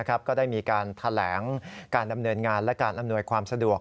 ก็ได้มีการแถลงการดำเนินงานและการอำนวยความสะดวก